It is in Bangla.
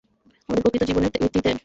আমাদের প্রকৃত জীবনের ভিত্তিই ত্যাগ।